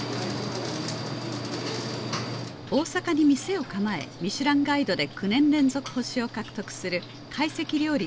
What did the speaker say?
大阪に店を構えミシュランガイドで９年連続星を獲得する懐石料理